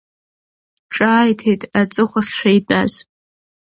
Ҿааиҭит аҵыхәахьшәа итәаз.